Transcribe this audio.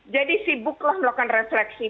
jadi sibuklah melakukan refleksi